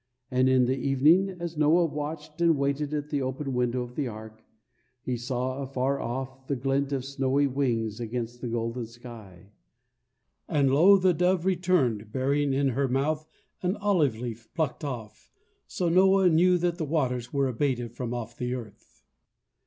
And in the evening, as Noah watched and waited at the open window of the ark, he saw afar off the glint of snowy wings against the golden sky, and "lo, the dove returned, bearing in her mouth an olive leaf plucked off, so Noah knew that the waters were abated from off the earth."